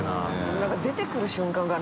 何か出てくる瞬間がな。